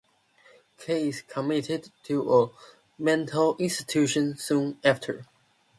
Kay is committed to a mental institution soon after.